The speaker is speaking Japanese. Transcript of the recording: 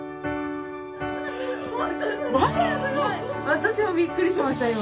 私もびっくりしました今。